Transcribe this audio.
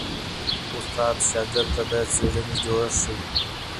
استاد شاګرد ته د څيړني جوړښت ښيي.